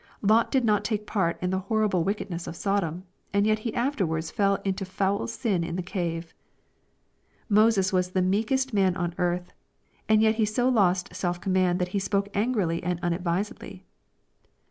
— Lot did not take part in the horrible wickedness of Sodom ; and yet he after wards fell into foul sin in the cave. — Moses was the meek est man on earth ; and yet he so lost self command that he spoke angrily and unadvisedly.